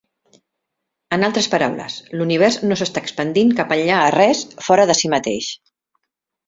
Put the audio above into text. En altres paraules: l'univers no s'està expandint cap enllà a res fora de si mateix.